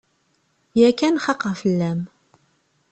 Yakan xaqeɣ fell-am.